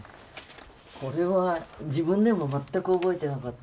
これは自分でもまったく覚えてなかった。